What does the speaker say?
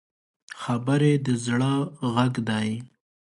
خبرې د زړه غږ دی